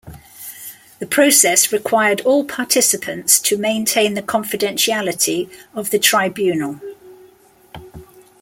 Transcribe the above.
The process required all participants to maintain the confidentiality of the tribunal.